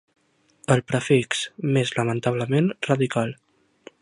El prefix més lamentablement radical.